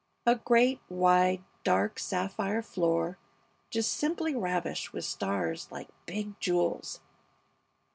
A great, wide, dark sapphire floor just simply ravished with stars like big jewels!